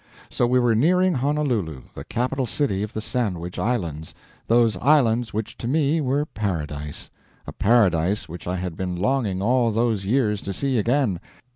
So we were nearing Honolulu, the capital city of the Sandwich Islands those islands which to me were Paradise; a Paradise which I had been longing all those years to see again.